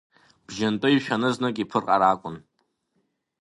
Бжьынтәы ишәаны знык иԥырҟар акәын…